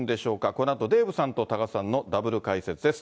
このあとデーブさんと多賀さんのダブル解説です。